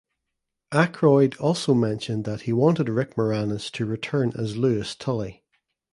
Aykroyd also mentioned that he wanted Rick Moranis to return as Louis Tully.